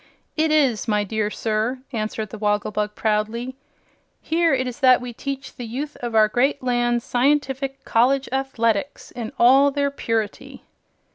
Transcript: "It is, my dear sir," answered the Wogglebug, proudly. "Here it is that we teach the youth of our great land scientific College Athletics in all their purity."